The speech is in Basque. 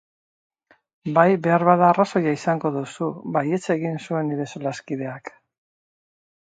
Bai, beharbada arrazoia izango duzu, baietz egin zuen nire solaskideak.